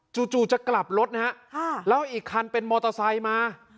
จู่จะกลับรถนะฮะแล้วอีกคันเป็นมอเตอร์ไซค์มา